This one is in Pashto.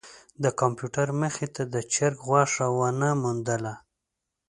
د کمپیوټر مخې ته د چرک غوښه ونه موندله.